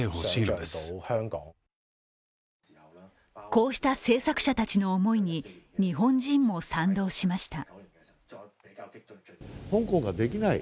こうした製作者たちの思いに日本人も賛同しました。